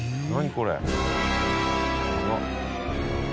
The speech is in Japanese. これ。